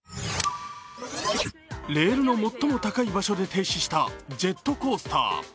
レールの最も高い場所で停止したジェットコースター。